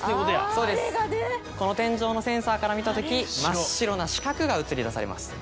そうですこの天井のセンサーから見たとき真っ白な四角が映し出されます。